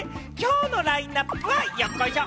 そして今日のラインナップはよっこいしょ！